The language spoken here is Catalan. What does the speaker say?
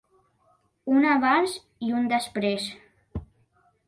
Un abans i un després.